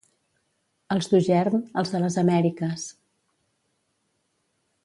Els d'Ogern, els de les Amèriques.